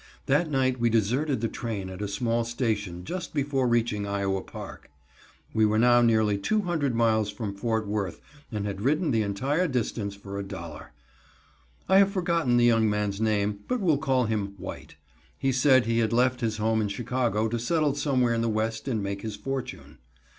That night we deserted the train at a small station just before reaching Iowa Park. We were now nearly two hundred miles from Fort Worth and had ridden the entire distance for $1.00. I have forgotten the young man's name, but will call him White. He said he had left his home in Chicago to settle somewhere in the West and make his fortune.